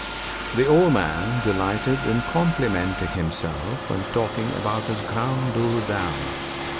The old man delighted in complimenting himself and talking about his "grandeur d'âme."